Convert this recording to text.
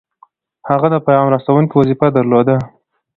هغه د پیغام رسوونکي وظیفه درلوده.